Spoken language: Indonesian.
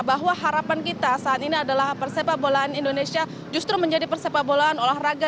bahwa harapan kita saat ini adalah persepak bolaan indonesia justru menjadi persepak bolaan olahraga